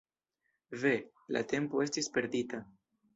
Ve, la tempo estis perdita.